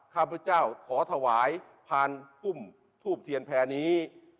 ข้าพุทธเจ้าขอถวายพันธุ่มทูปเทียนแพร่นี้